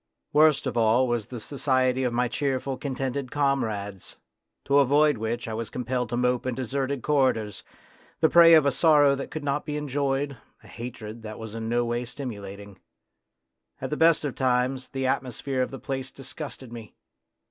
Worst of all was the society of my cheerful, contented comrades, to avoid which 1 was compelled to mope in deserted corridors, the prey of a sorrow that could not be enjoyed, a A DRAMA OF YOUTH 23 hatred that was in no way stimulating. At the best of times the atmosphere of the place disgusted me.